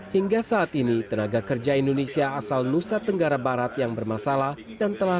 hingga saat ini tenaga kerja indonesia asal nusa tenggara barat yang bermasalah dan telah